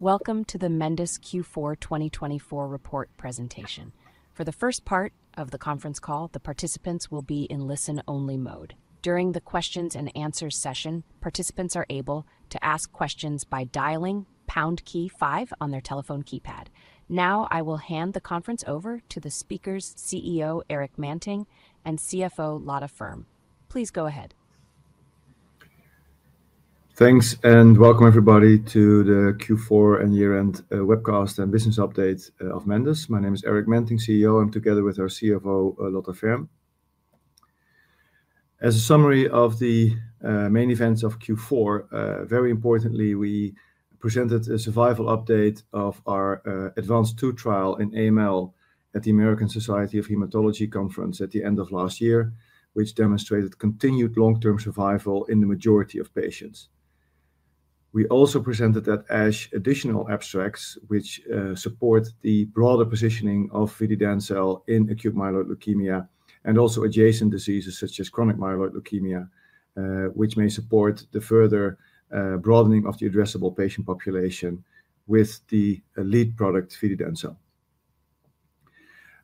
Welcome to the Mendus Q4 2024 report presentation. For the first part of the conference call, the participants will be in listen-only mode. During the Q&A session, participants are able to ask questions by dialing pound key, five on their telephone keypad. Now, I will hand the conference over to the speakers, CEO Erik Manting, and CFO Lotta Ferm. Please go ahead. Thanks, and welcome everybody to the Q4 and year-end webcast and business update of Mendus. My name is Erik Manting, CEO, and I'm together with our CFO, Lotta Ferm. As a summary of the main events of Q4, very importantly, we presented a survival update of our ADVANCE II trial in AML at the American Society of Hematology Conference at the end of last year, which demonstrated continued long-term survival in the majority of patients. We also presented at ASH additional abstracts, which support the broader positioning of vididencel in acute myeloid leukemia and also adjacent diseases such as chronic myeloid leukemia, which may support the further broadening of the addressable patient population with the lead product vididencel.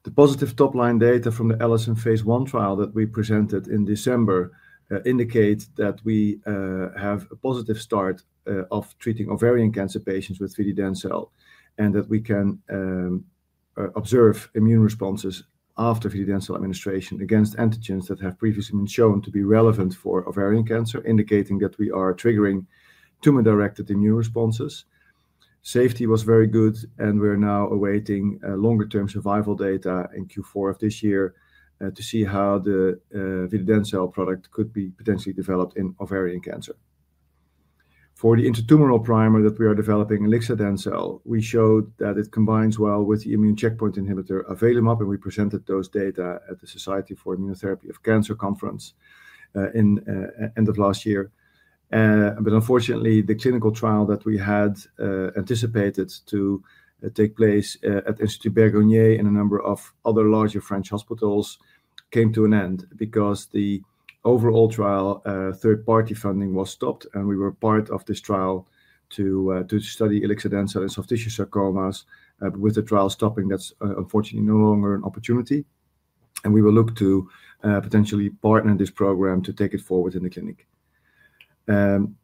The positive top-line data from the ALISON phase I trial that we presented in December indicate that we have a positive start of treating ovarian cancer patients with vididencel, and that we can observe immune responses after vididencel administration against antigens that have previously been shown to be relevant for ovarian cancer, indicating that we are triggering tumor-directed immune responses. Safety was very good, and we're now awaiting longer-term survival data in Q4 of this year to see how the vididencel product could be potentially developed in ovarian cancer. For the intratumoral primer that we are developing, ilixadencel, we showed that it combines well with the immune checkpoint inhibitor avelumab, and we presented those data at the Society for Immunotherapy of Cancer conference at the end of last year. Unfortunately, the clinical trial that we had anticipated to take place at Institut Bergonié and a number of other larger French hospitals came to an end because the overall trial third-party funding was stopped, and we were part of this trial to study ilixadencel in soft tissue sarcomas, with the trial stopping. That's unfortunately no longer an opportunity, and we will look to potentially partner this program to take it forward in the clinic.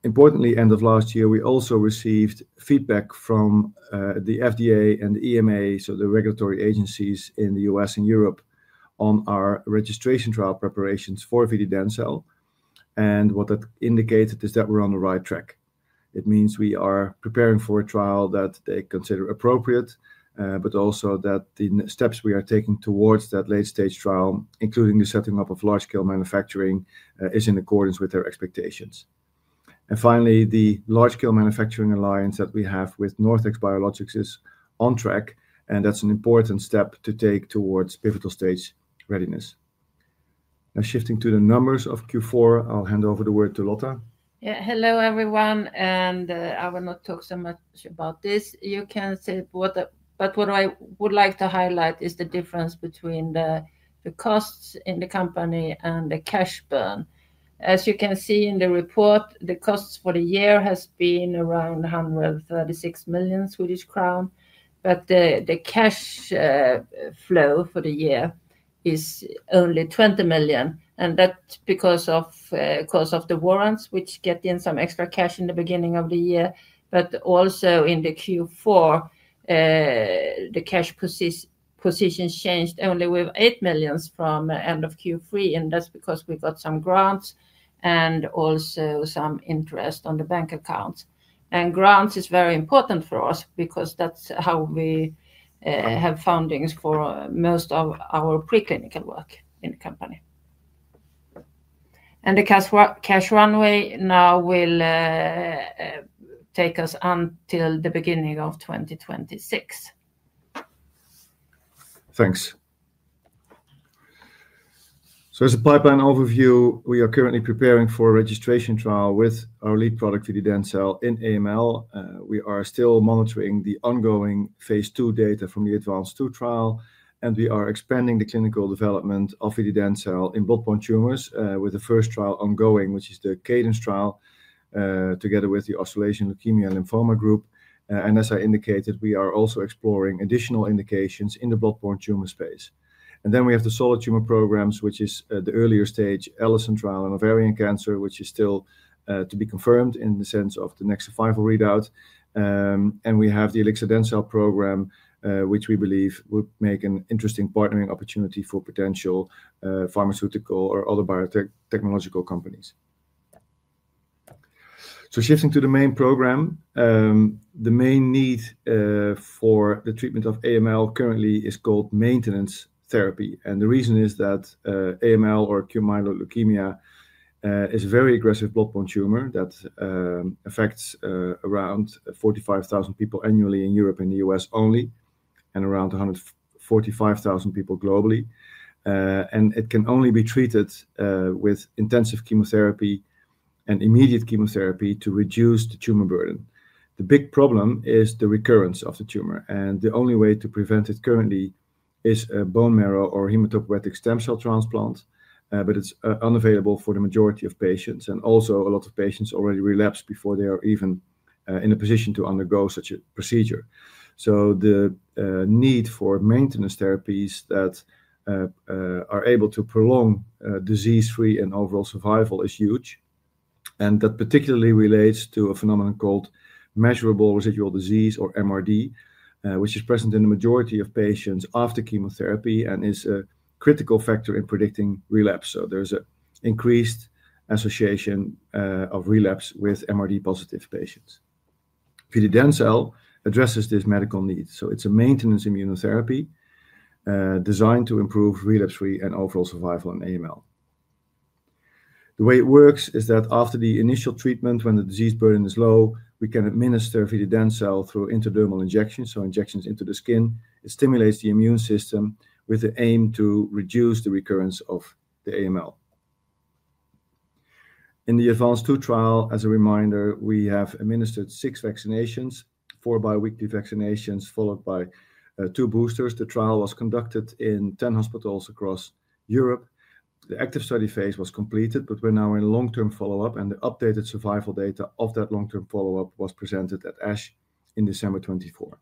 Importantly, at the end of last year, we also received feedback from the FDA and the EMA, so the regulatory agencies in the U.S. and Europe, on our registration trial preparations for vididencel, and what that indicated is that we're on the right track. It means we are preparing for a trial that they consider appropriate, but also that the steps we are taking towards that late-stage trial, including the setting up of large-scale manufacturing, are in accordance with their expectations. Finally, the large-scale manufacturing alliance that we have with NorthX Biologics is on track, and that's an important step to take towards pivotal stage readiness. Now, shifting to the numbers of Q4, I'll hand over the word to Lotta. Yeah, hello everyone, and I will not talk so much about this. You can say, but what I would like to highlight is the difference between the costs in the company and the cash burn. As you can see in the report, the costs for the year have been around 136 million Swedish crown, but the cash flow for the year is only 20 million, and that's because of the warrants, which get in some extra cash in the beginning of the year. Also in Q4, the cash positions changed only with 8 million from the end of Q3, and that's because we got some grants and also some interest on the bank accounts. Grants are very important for us because that's how we have funding for most of our preclinical work in the company. The cash runway now will take us until the beginning of 2026. Thanks. As a pipeline overview, we are currently preparing for a registration trial with our lead product vididencel in AML. We are still monitoring the ongoing phase II data from the ADVANCE II trial, and we are expanding the clinical development of vididencel in blood-borne tumors, with the first trial ongoing, which is the CADENCE trial, together with the Australasian Leukaemia and Lymphoma Group. As I indicated, we are also exploring additional indications in the blood-borne tumor space. We have the solid tumor programs, which is the earlier stage ALISON trial in ovarian cancer, which is still to be confirmed in the sense of the next survival readout. We have the ilixadencel program, which we believe would make an interesting partnering opportunity for potential pharmaceutical or other biotechnological companies. Shifting to the main program, the main need for the treatment of AML currently is called maintenance therapy, and the reason is that AML, or acute myeloid leukemia, is a very aggressive blood-borne tumor that affects around 45,000 people annually in Europe and the U.S. only, and around 145,000 people globally. It can only be treated with intensive chemotherapy and immediate chemotherapy to reduce the tumor burden. The big problem is the recurrence of the tumor, and the only way to prevent it currently is a bone marrow or hematopoietic stem cell transplant, but it is unavailable for the majority of patients, and also a lot of patients already relapse before they are even in a position to undergo such a procedure. The need for maintenance therapies that are able to prolong disease-free and overall survival is huge, and that particularly relates to a phenomenon called measurable residual disease, or MRD, which is present in the majority of patients after chemotherapy and is a critical factor in predicting relapse. There is an increased association of relapse with MRD-positive patients. Vididencel addresses this medical need, so it's a maintenance immunotherapy designed to improve relapse-free and overall survival in AML. The way it works is that after the initial treatment, when the disease burden is low, we can administer vididencel through intradermal injections, so injections into the skin. It stimulates the immune system with the aim to reduce the recurrence of the AML. In the ADVANCE II trial, as a reminder, we have administered six vaccinations, four biweekly vaccinations followed by two boosters. The trial was conducted in 10 hospitals across Europe. The active study phase was completed, but we're now in long-term follow-up, and the updated survival data of that long-term follow-up was presented at ASH in December 2024.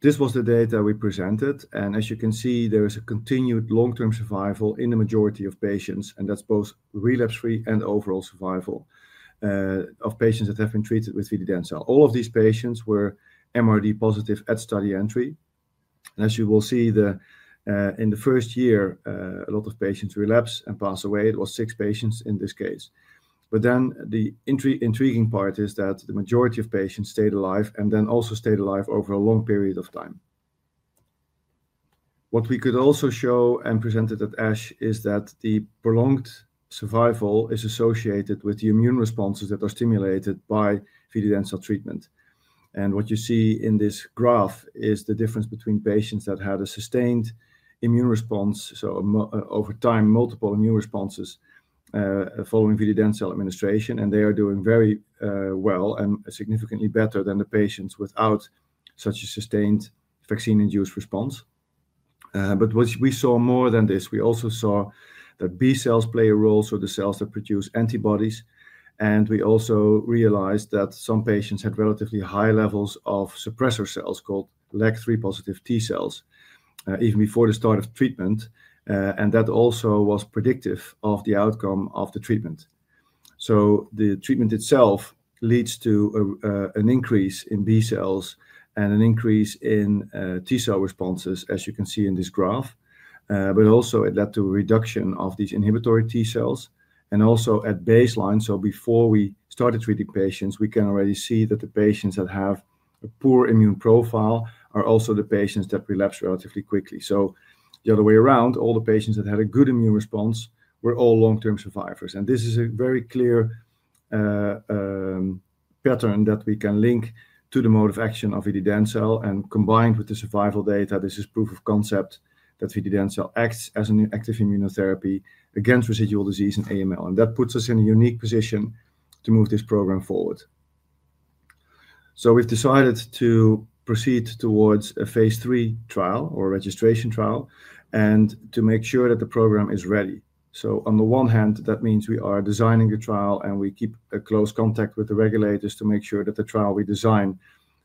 This was the data we presented, and as you can see, there is a continued long-term survival in the majority of patients, and that's both relapse-free and overall survival of patients that have been treated with vididencel. All of these patients were MRD-positive at study entry, and as you will see, in the first year, a lot of patients relapsed and passed away. It was six patients in this case. The intriguing part is that the majority of patients stayed alive and then also stayed alive over a long period of time. What we could also show and presented at ASH is that the prolonged survival is associated with the immune responses that are stimulated by vididencel treatment. What you see in this graph is the difference between patients that had a sustained immune response, so over time, multiple immune responses following vididencel administration, and they are doing very well and significantly better than the patients without such a sustained vaccine-induced response. We saw more than this. We also saw that B cells play a role, so the cells that produce antibodies, and we also realized that some patients had relatively high levels of suppressor cells called LAG3-positive T cells even before the start of treatment, and that also was predictive of the outcome of the treatment. The treatment itself leads to an increase in B cells and an increase in T cell responses, as you can see in this graph, but also it led to a reduction of these inhibitory T cells. Also at baseline, before we started treating patients, we can already see that the patients that have a poor immune profile are also the patients that relapsed relatively quickly. The other way around, all the patients that had a good immune response were all long-term survivors, and this is a very clear pattern that we can link to the mode of action of vididencel, and combined with the survival data, this is proof of concept that vididencel acts as an active immunotherapy against residual disease in AML, and that puts us in a unique position to move this program forward. We have decided to proceed towards a phase III trial or registration trial and to make sure that the program is ready. On the one hand, that means we are designing the trial and we keep close contact with the regulators to make sure that the trial we design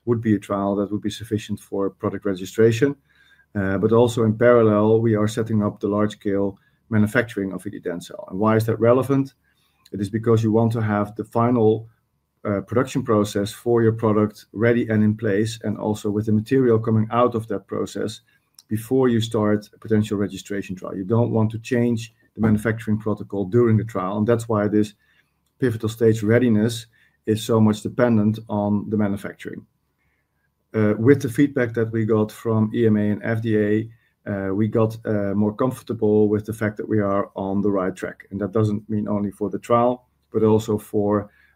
would be a trial that would be sufficient for product registration, but also in parallel, we are setting up the large-scale manufacturing of vididencel. Why is that relevant? It is because you want to have the final production process for your product ready and in place, and also with the material coming out of that process before you start a potential registration trial. You do not want to change the manufacturing protocol during the trial, and that is why this pivotal stage readiness is so much dependent on the manufacturing. With the feedback that we got from EMA and FDA, we got more comfortable with the fact that we are on the right track, and that does not mean only for the trial, but also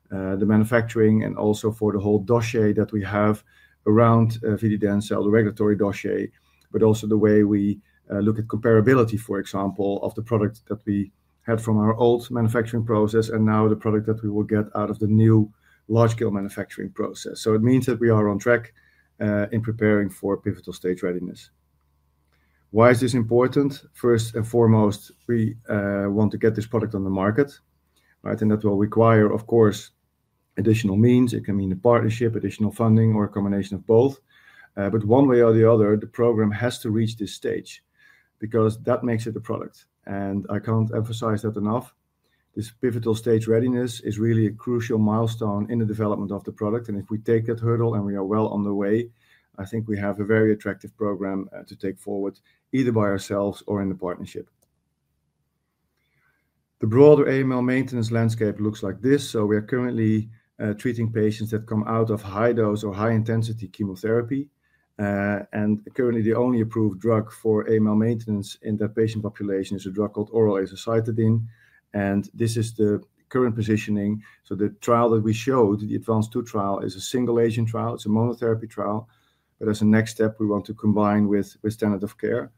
for the manufacturing and also for the whole dossier that we have around vididencel, the regulatory dossier, but also the way we look at comparability, for example, of the product that we had from our old manufacturing process and now the product that we will get out of the new large-scale manufacturing process. It means that we are on track in preparing for pivotal stage readiness. Why is this important? First and foremost, we want to get this product on the market, right, and that will require, of course, additional means. It can mean a partnership, additional funding, or a combination of both, but one way or the other, the program has to reach this stage because that makes it a product, and I can't emphasize that enough. This pivotal stage readiness is really a crucial milestone in the development of the product, and if we take that hurdle and we are well on the way, I think we have a very attractive program to take forward either by ourselves or in a partnership. The broader AML maintenance landscape looks like this, we are currently treating patients that come out of high-dose or high-intensity chemotherapy, and currently the only approved drug for AML maintenance in that patient population is a drug called oral azacitidine, and this is the current positioning. The trial that we showed, the Advance II trial, is a single-agent trial. It's a monotherapy trial, but as a next step, we want to combine with standard of care.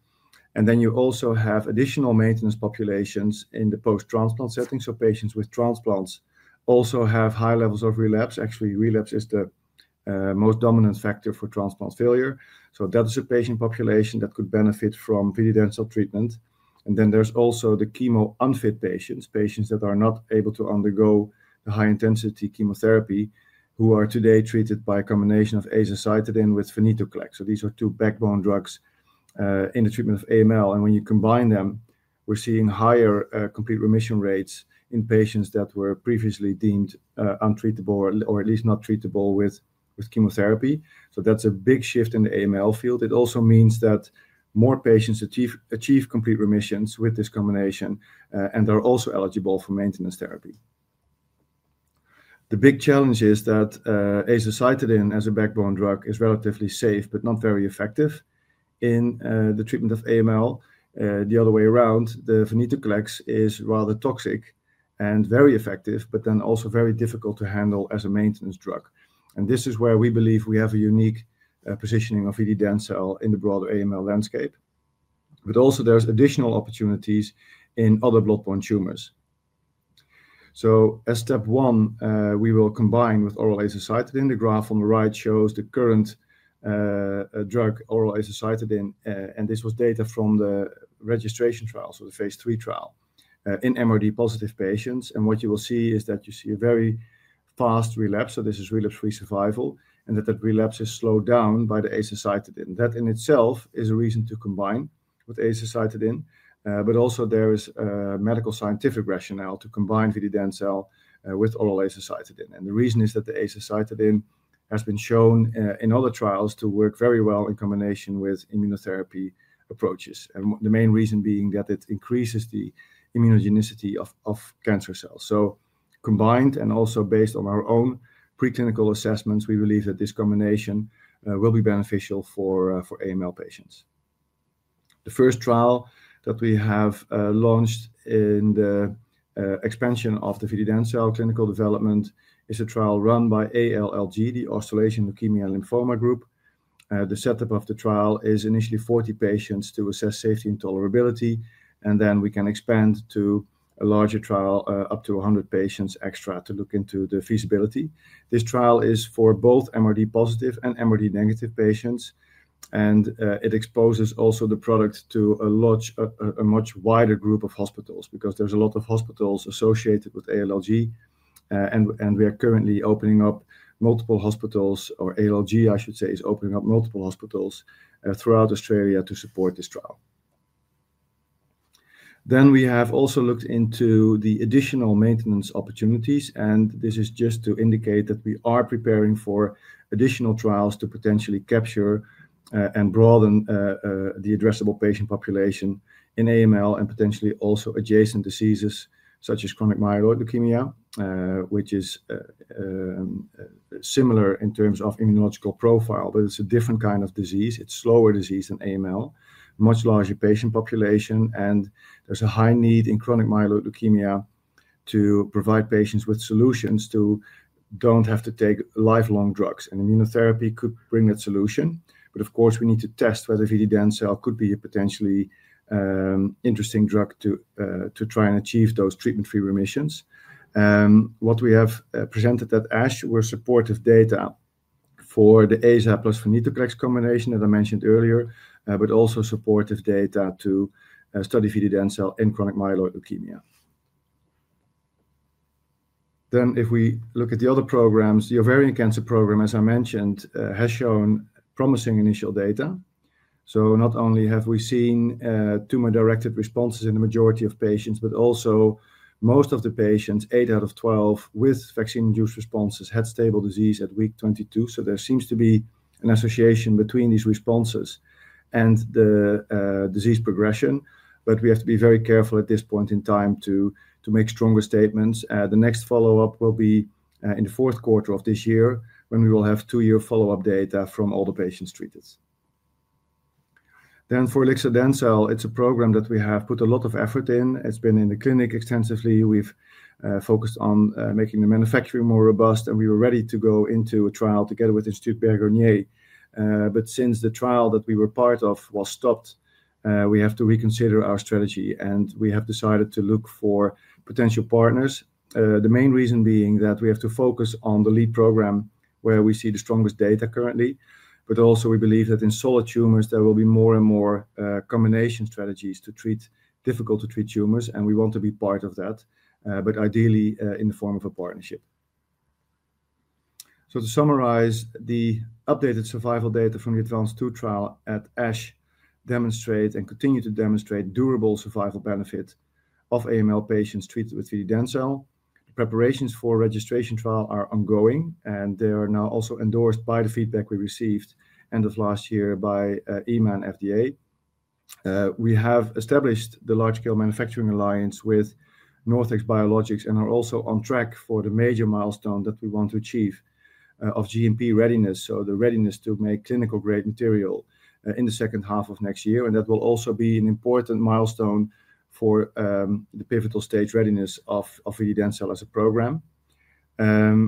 You also have additional maintenance populations in the post-transplant setting, so patients with transplants also have high levels of relapse. Actually, relapse is the most dominant factor for transplant failure, so that is a patient population that could benefit from vididencel treatment. There are also the chemo-unfit patients, patients that are not able to undergo the high-intensity chemotherapy who are today treated by a combination of azacitidine with venetoclax. These are two backbone drugs in the treatment of AML, and when you combine them, we're seeing higher complete remission rates in patients that were previously deemed untreatable or at least not treatable with chemotherapy. That is a big shift in the AML field. It also means that more patients achieve complete remissions with this combination, and they're also eligible for maintenance therapy. The big challenge is that azacitidine, as a backbone drug, is relatively safe but not very effective in the treatment of AML. The other way around, the venetoclax is rather toxic and very effective, but then also very difficult to handle as a maintenance drug, and this is where we believe we have a unique positioning of vididencel in the broader AML landscape. Also, there's additional opportunities in other blood-borne tumors. As step one, we will combine with oral azacitidine. The graph on the right shows the current drug, oral azacitidine, and this was data from the registration trial, so the phase III trial, in MRD-positive patients, and what you will see is that you see a very fast relapse. This is relapse-free survival, and that relapse is slowed down by the azacitidine. That in itself is a reason to combine with azacitidine, but also there is a medical scientific rationale to combine vididencel with oral azacitidine, and the reason is that the azacitidine has been shown in other trials to work very well in combination with immunotherapy approaches, and the main reason being that it increases the immunogenicity of cancer cells. Combined and also based on our own preclinical assessments, we believe that this combination will be beneficial for AML patients. The first trial that we have launched in the expansion of the vididencel clinical development is a trial run by ALLG, the Australasian Leukaemia and Lymphoma Group. The setup of the trial is initially 40 patients to assess safety and tolerability, and then we can expand to a larger trial up to 100 patients extra to look into the feasibility. This trial is for both MRD-positive and MRD-negative patients, and it exposes also the product to a much wider group of hospitals because there's a lot of hospitals associated with ALLG, and we are currently opening up multiple hospitals, or ALLG, I should say, is opening up multiple hospitals throughout Australia to support this trial. We have also looked into the additional maintenance opportunities, and this is just to indicate that we are preparing for additional trials to potentially capture and broaden the addressable patient population in AML and potentially also adjacent diseases such as chronic myeloid leukemia, which is similar in terms of immunological profile, but it's a different kind of disease. It's slower disease than AML, much larger patient population, and there's a high need in chronic myeloid leukemia to provide patients with solutions to don't have to take lifelong drugs, and immunotherapy could bring that solution, but of course we need to test whether vididencel could be a potentially interesting drug to try and achieve those treatment-free remissions. What we have presented at ASH were supportive data for the azacitidine plus venetoclax combination that I mentioned earlier, but also supportive data to study vididencel in chronic myeloid leukemia. If we look at the other programs, the ovarian cancer program, as I mentioned, has shown promising initial data. Not only have we seen tumor-directed responses in the majority of patients, but also most of the patients, 8 out of 12 with vaccine-induced responses, had stable disease at week 22. There seems to be an association between these responses and the disease progression, but we have to be very careful at this point in time to make stronger statements. The next follow-up will be in the fourth quarter of this year when we will have two-year follow-up data from all the patients treated. For ilixadencel, it's a program that we have put a lot of effort in. It's been in the clinic extensively. We've focused on making the manufacturing more robust, and we were ready to go into a trial together with Institut Bergonié, but since the trial that we were part of was stopped, we have to reconsider our strategy, and we have decided to look for potential partners, the main reason being that we have to focus on the lead program where we see the strongest data currently, but also we believe that in solid tumors there will be more and more combination strategies to treat difficult-to-treat tumors, and we want to be part of that, but ideally in the form of a partnership. To summarize, the updated survival data from the ADVANCE II trial at ASH demonstrate and continue to demonstrate durable survival benefit of AML patients treated with vididencel. Preparations for registration trial are ongoing, and they are now also endorsed by the feedback we received end of last year by EMA and FDA. We have established the large-scale manufacturing alliance with NorthX Biologics and are also on track for the major milestone that we want to achieve of GMP readiness, so the readiness to make clinical-grade material in the second half of next year, and that will also be an important milestone for the pivotal stage readiness of vididencel as a program.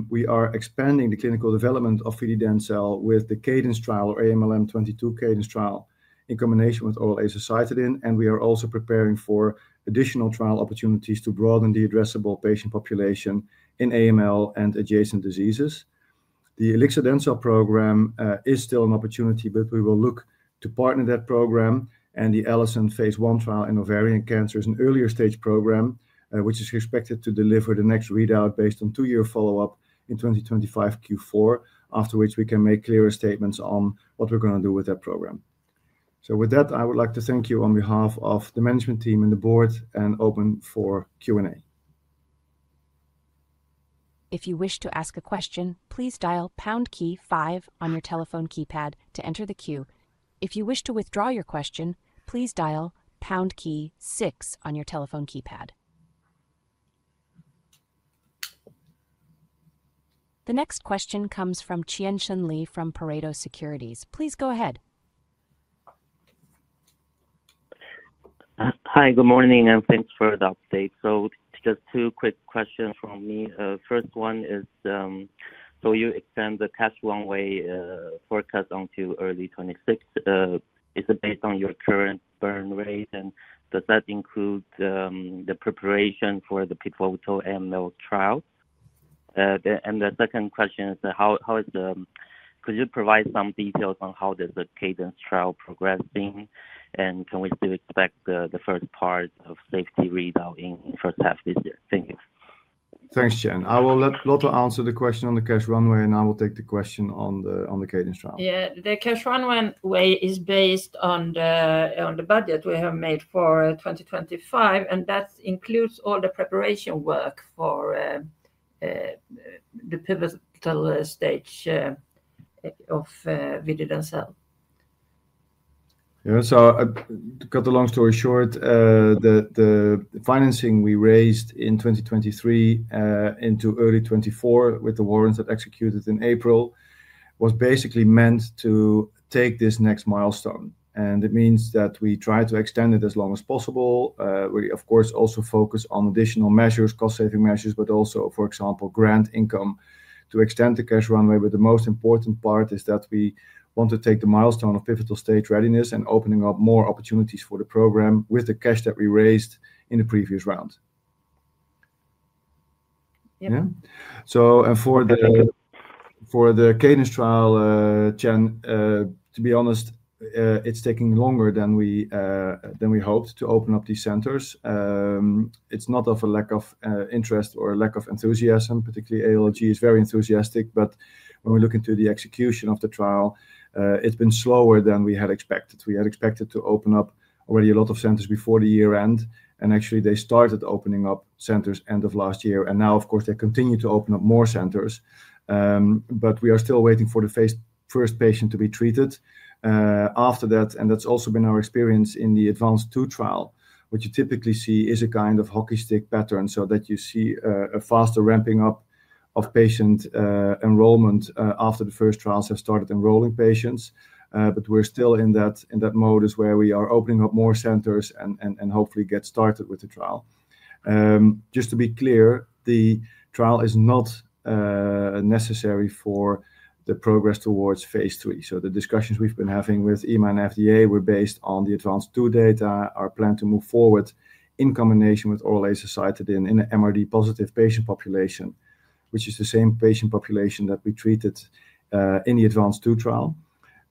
We are expanding the clinical development of vididencel with the CADENCE trial or AMLM22 CADENCE trial in combination with oral azacitidine, and we are also preparing for additional trial opportunities to broaden the addressable patient population in AML and adjacent diseases. The ilixadencel program is still an opportunity, but we will look to partner that program, and the ALISON phase I trial in ovarian cancer is an earlier stage program which is expected to deliver the next readout based on two-year follow-up in 2025 Q4, after which we can make clearer statements on what we're going to do with that program. With that, I would like to thank you on behalf of the management team and the board and open for Q&A. If you wish to ask a question, please dial pound key, five on your telephone keypad to enter the queue. If you wish to withdraw your question, please dial pound key, six on your telephone keypad. The next question comes from Jiaqian Li from Pareto Securities. Please go ahead. Hi, good morning, and thanks for the update. Just two quick questions from me. First one is, you extend the cash runway forecast onto early 2026. Is it based on your current burn rate, and does that include the preparation for the pivotal AML trial? The second question is, could you provide some details on how the CADENCE trial is progressing, and can we still expect the first part of the safety readout in the first half of this year? Thank you. Thanks, Jiaqian. I will let Lotta answer the question on the cash runway, and I will take the question on the CADENCE trial. Yeah, the cash runway is based on the budget we have made for 2025, and that includes all the preparation work for the pivotal stage of vididencel. Yeah, to cut the long story short, the financing we raised in 2023 into early 2024 with the warrants that executed in April was basically meant to take this next milestone, and it means that we try to extend it as long as possible. We, of course, also focus on additional measures, cost-saving measures, but also, for example, grant income to extend the cash runway, but the most important part is that we want to take the milestone of pivotal stage readiness and opening up more opportunities for the program with the cash that we raised in the previous round. Yeah. Yeah. For the CADENCE trial, Jiaqian, to be honest, it's taking longer than we hoped to open up these centers. It's not a lack of interest or a lack of enthusiasm. Particularly, ALLG is very enthusiastic, but when we look into the execution of the trial, it's been slower than we had expected. We had expected to open up already a lot of centers before the year end, and actually they started opening up centers end of last year, and now, of course, they continue to open up more centers, but we are still waiting for the first patient to be treated after that, and that's also been our experience in the ADVANCE II trial, which you typically see is a kind of hockey stick pattern, so that you see a faster ramping up of patient enrollment after the first trials have started enrolling patients, but we're still in that mode as where we are opening up more centers and hopefully get started with the trial. Just to be clear, the trial is not necessary for the progress towards phase III, so the discussions we've been having with EMA and FDA were based on the ADVANCE II data, our plan to move forward in combination with oral azacitidine in an MRD-positive patient population, which is the same patient population that we treated in the ADVANCE II trial.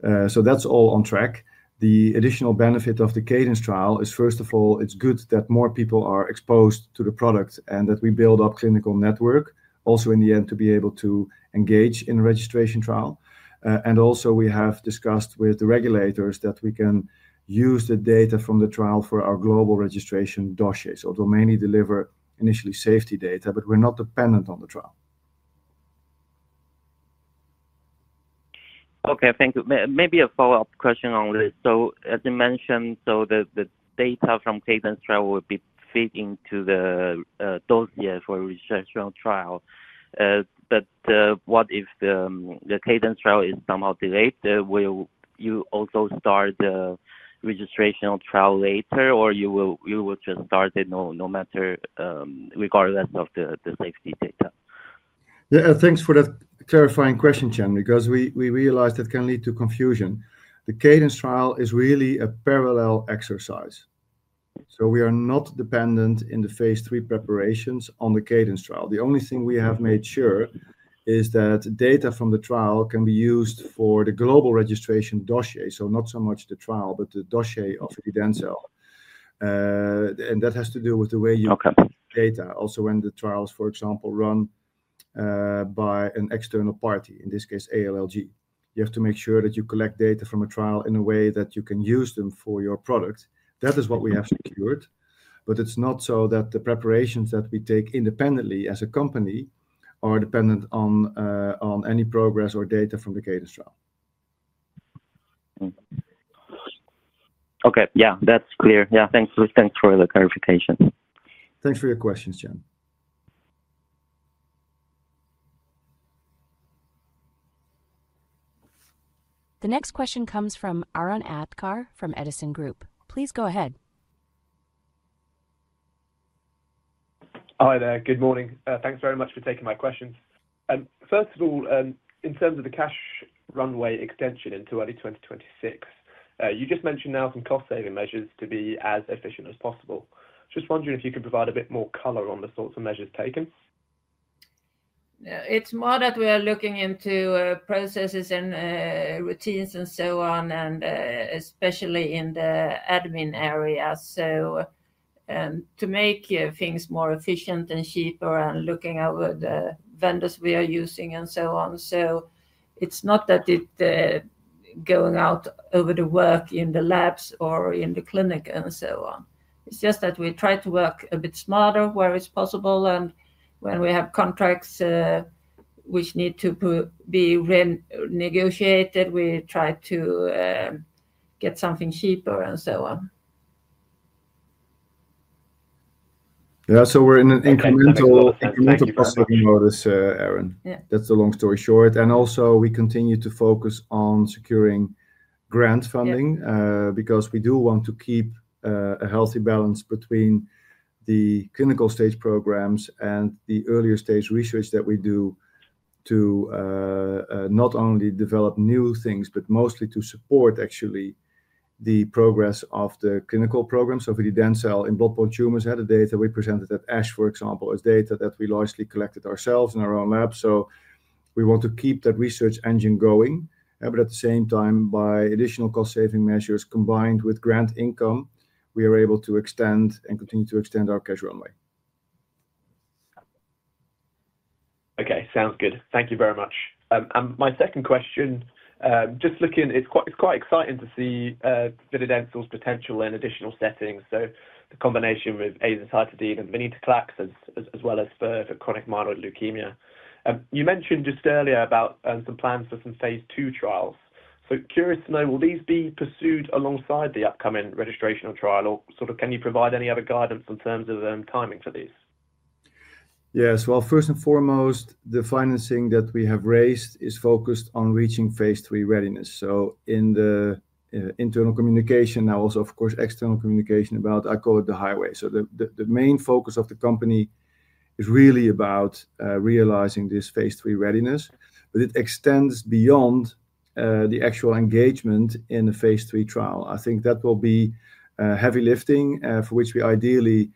That is all on track. The additional benefit of the CADENCE trial is, first of all, it's good that more people are exposed to the product and that we build up clinical network also in the end to be able to engage in registration trial, and also we have discussed with the regulators that we can use the data from the trial for our global registration dossier, so they'll mainly deliver initially safety data, but we're not dependent on the trial. Okay, thank you. Maybe a follow-up question on this. As you mentioned, the data from CADENCE trial will be fed into the dossier for registration trial, but what if the CADENCE trial is somehow delayed? Will you also start the registration trial later, or you will just start it no matter, regardless of the safety data? Yeah, thanks for that clarifying question, Qian, because we realize that can lead to confusion. The CADENCE trial is really a parallel exercise, so we are not dependent in the phase III preparations on the CADENCE trial. The only thing we have made sure is that data from the trial can be used for the global registration dossier, so not so much the trial, but the dossier of vididencel, and that has to do with the way you collect data. Also, when the trials, for example, run by an external party, in this case ALLG, you have to make sure that you collect data from a trial in a way that you can use them for your product. That is what we have secured, but it's not so that the preparations that we take independently as a company are dependent on any progress or data from the CADENCE trial. Okay, yeah, that's clear. Yeah, thanks for the clarification. Thanks for your questions, Jiaqian. The next question comes from Arron Aatkar from Edison Group. Please go ahead. Hi there, good morning. Thanks very much for taking my questions. First of all, in terms of the cash runway extension into early 2026, you just mentioned now some cost-saving measures to be as efficient as possible. Just wondering if you could provide a bit more color on the sorts of measures taken. It's more that we are looking into processes and routines and so on, and especially in the admin area, to make things more efficient and cheaper and looking over the vendors we are using and so on. It's not that it's going out over the work in the labs or in the clinic and so on. It's just that we try to work a bit smarter where it's possible, and when we have contracts which need to be renegotiated, we try to get something cheaper and so on. Yeah, we are in an incremental processing modus, Arron. That's the long story short, and also we continue to focus on securing grant funding because we do want to keep a healthy balance between the clinical stage programs and the earlier stage research that we do to not only develop new things, but mostly to support actually the progress of the clinical program. So vididencel in blood-borne tumors had the data we presented at ASH, for example, as data that we largely collected ourselves in our own lab, so we want to keep that research engine going, but at the same time, by additional cost-saving measures combined with grant income, we are able to extend and continue to extend our cash runway. Okay, sounds good. Thank you very much. My second question, just looking, it's quite exciting to see vididencel's potential in additional settings, so the combination with azacitidine and venetoclax as well as for chronic myeloid leukemia. You mentioned just earlier about some plans for some phase II trials, so curious to know, will these be pursued alongside the upcoming registration trial, or sort of can you provide any other guidance in terms of timing for these? Yes, first and foremost, the financing that we have raised is focused on reaching phase III readiness, so in the internal communication, now also, of course, external communication about, I call it the highway. The main focus of the company is really about realizing this phase III readiness, but it extends beyond the actual engagement in the phase III trial. I think that will be heavy lifting for which we ideally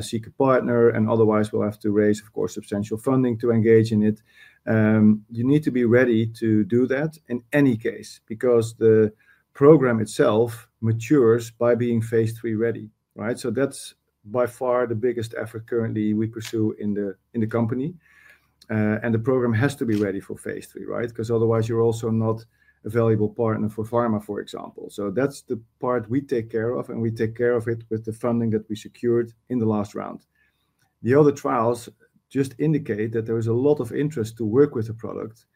seek a partner, and otherwise we'll have to raise, of course, substantial funding to engage in it. You need to be ready to do that in any case because the program itself matures by being phase III ready, right? That is by far the biggest effort currently we pursue in the company, and the program has to be ready for phase III, right? Because otherwise you're also not a valuable partner for pharma, for example. That is the part we take care of, and we take care of it with the funding that we secured in the last round. The other trials just indicate that there is a lot of interest to work with the product,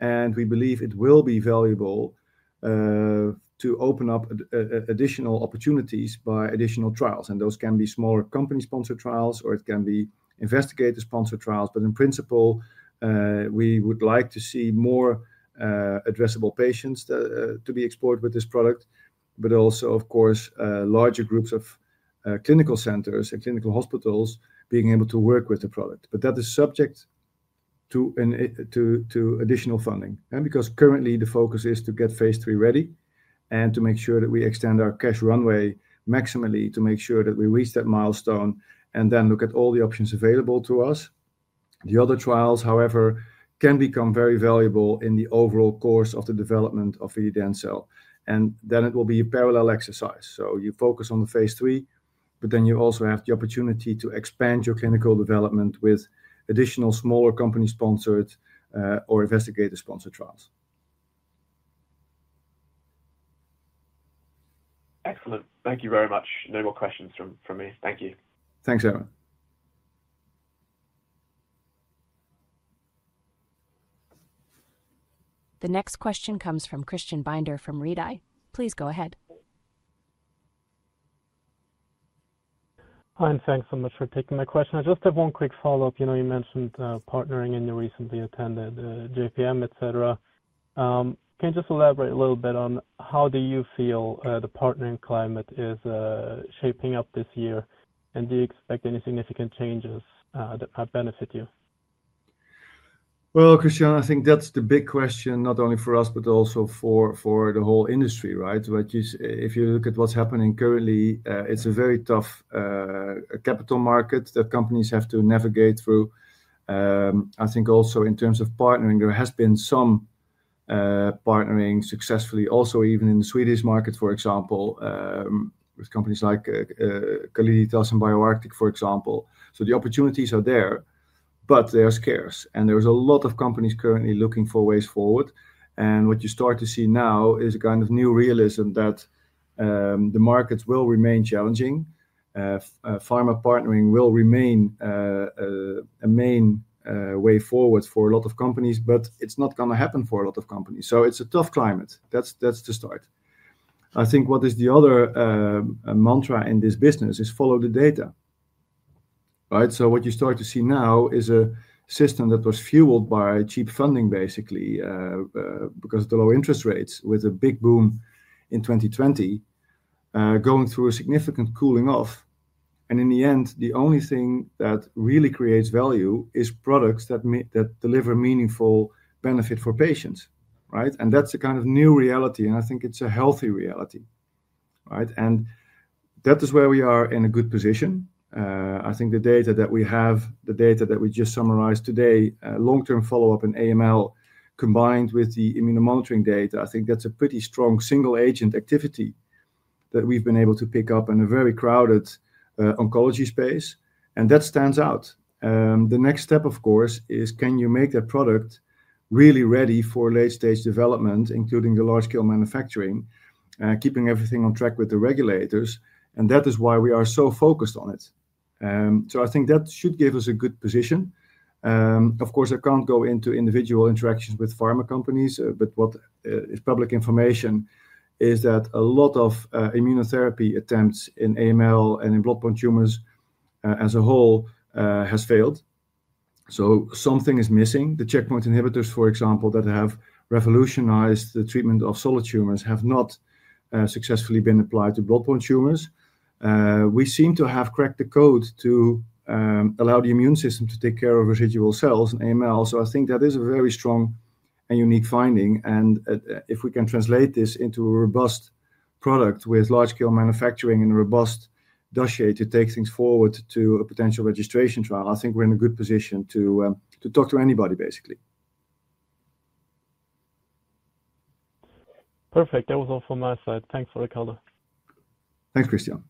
and we believe it will be valuable to open up additional opportunities by additional trials, and those can be smaller company-sponsored trials or it can be investigator-sponsored trials, but in principle, we would like to see more addressable patients to be explored with this product, but also, of course, larger groups of clinical centers and clinical hospitals being able to work with the product. That is subject to additional funding, because currently the focus is to get phase III ready and to make sure that we extend our cash runway maximally to make sure that we reach that milestone and then look at all the options available to us. The other trials, however, can become very valuable in the overall course of the development of vididencel, and then it will be a parallel exercise. You focus on the phase III, but then you also have the opportunity to expand your clinical development with additional smaller company-sponsored or investigator-sponsored trials. Excellent. Thank you very much. No more questions from me. Thank you. Thanks, Arron. The next question comes from Christian Binder from Redeye. Please go ahead. Hi, and thanks so much for taking my question. I just have one quick follow-up. You know, you mentioned partnering and you recently attended JPM, etc. Can you just elaborate a little bit on how do you feel the partnering climate is shaping up this year, and do you expect any significant changes that might benefit you? Christian, I think that's the big question, not only for us but also for the whole industry, right? Which is, if you look at what's happening currently, it's a very tough capital market that companies have to navigate through. I think also in terms of partnering, there has been some partnering successfully also, even in the Swedish market, for example, with companies like Calliditas and BioArctic, for example. The opportunities are there, but they are scarce, and there are a lot of companies currently looking for ways forward, and what you start to see now is a kind of new realism that the markets will remain challenging. Pharma partnering will remain a main way forward for a lot of companies, but it's not going to happen for a lot of companies. It's a tough climate. That's the start. I think what is the other mantra in this business is follow the data, right? What you start to see now is a system that was fueled by cheap funding, basically, because of the low interest rates, with a big boom in 2020, going through a significant cooling off, and in the end, the only thing that really creates value is products that deliver meaningful benefit for patients, right? That is a kind of new reality, and I think it's a healthy reality, right? That is where we are in a good position. I think the data that we have, the data that we just summarized today, long-term follow-up in AML combined with the immunomonitoring data, I think that's a pretty strong single-agent activity that we've been able to pick up in a very crowded oncology space, and that stands out. The next step, of course, is can you make that product really ready for late-stage development, including the large-scale manufacturing, keeping everything on track with the regulators, and that is why we are so focused on it. I think that should give us a good position. Of course, I can't go into individual interactions with pharma companies, but what is public information is that a lot of immunotherapy attempts in AML and in blood-borne tumors as a whole have failed. Something is missing. The checkpoint inhibitors, for example, that have revolutionized the treatment of solid tumors have not successfully been applied to blood-borne tumors. We seem to have cracked the code to allow the immune system to take care of residual cells in AML, so I think that is a very strong and unique finding, and if we can translate this into a robust product with large-scale manufacturing and a robust dossier to take things forward to a potential registration trial, I think we're in a good position to talk to anybody, basically. Perfect. That was all from my side. Thanks for the call. Thanks, Christian.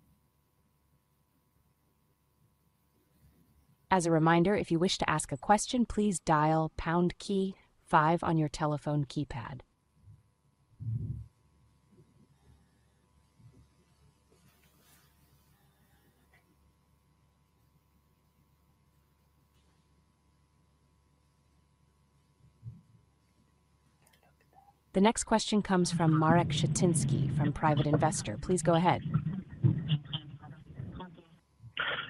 As a reminder, if you wish to ask a question, please dial pound key, five on your telephone keypad. The next question comes from Marek Szczeciński ecinski from Private Investor. Please go ahead.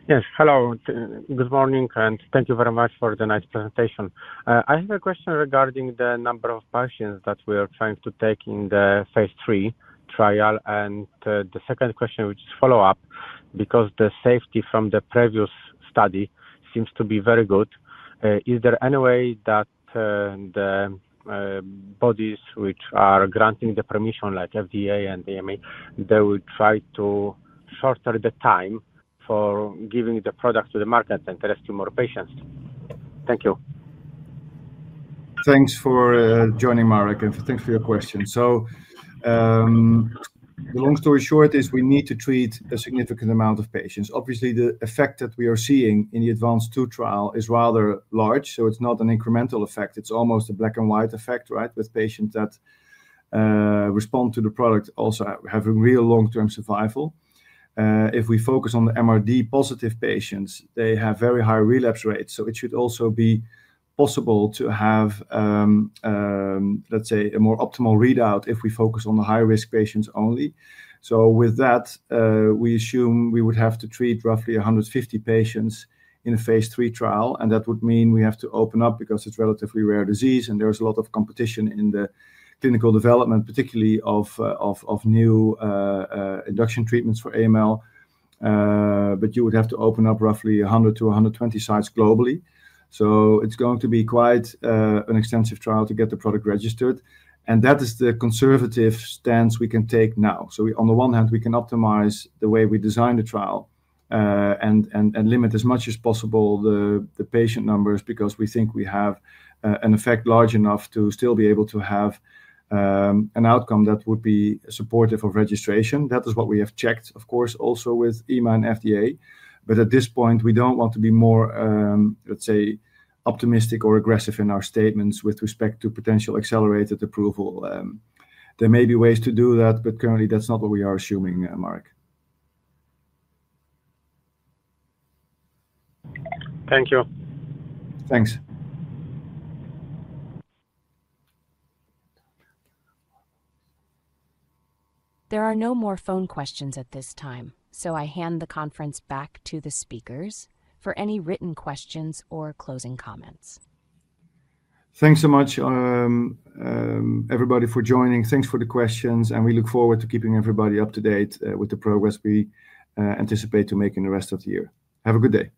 Yes, hello. Good morning, and thank you very much for the nice presentation. I have a question regarding the number of patients that we are trying to take in the phase III trial, and the second question, which is follow-up, because the safety from the previous study seems to be very good. Is there any way that the bodies which are granting the permission, like FDA and EMA, they will try to shorten the time for giving the product to the market and rescue more patients? Thank you. Thanks for joining, Marek, and thanks for your question. The long story short is we need to treat a significant amount of patients. Obviously, the effect that we are seeing in the ADVANCE II trial is rather large, so it's not an incremental effect. It's almost a black-and-white effect, right, with patients that respond to the product also have a real long-term survival. If we focus on the MRD-positive patients, they have very high relapse rates, so it should also be possible to have, let's say, a more optimal readout if we focus on the high-risk patients only. With that, we assume we would have to treat roughly 150 patients in a phase III trial, and that would mean we have to open up because it's a relatively rare disease, and there is a lot of competition in the clinical development, particularly of new induction treatments for AML, but you would have to open up roughly 100-120 sites globally. It is going to be quite an extensive trial to get the product registered, and that is the conservative stance we can take now. On the one hand, we can optimize the way we design the trial and limit as much as possible the patient numbers because we think we have an effect large enough to still be able to have an outcome that would be supportive of registration. That is what we have checked, of course, also with EMA and FDA, but at this point, we do not want to be more, let's say, optimistic or aggressive in our statements with respect to potential accelerated approval. There may be ways to do that, but currently, that is not what we are assuming, Marek. Thank you. Thanks. There are no more phone questions at this time, so I hand the conference back to the speakers for any written questions or closing comments. Thanks so much, everybody, for joining. Thanks for the questions, and we look forward to keeping everybody up to date with the progress we anticipate to make in the rest of the year. Have a good day.